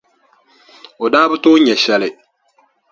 O daa bi tooi nya shɛli.